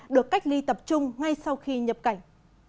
được cách ly tập trung ngay sau khi nhập cảnh